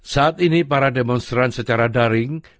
saat ini para demonstran secara daring